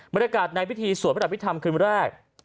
บริการในพิธีสวดประดับวิธรรมคืนแรก